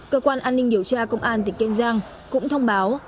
cơ quan an ninh điều tra công an tỉnh kiên giang cũng thông báo